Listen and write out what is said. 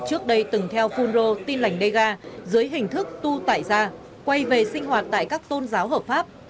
trước đây từng theo phun rô tin lành dega dưới hình thức tu tải ra quay về sinh hoạt tại các tôn giáo hợp pháp